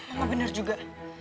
emang bener juga